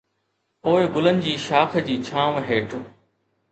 پوء گلن جي شاخ جي ڇانو هيٺ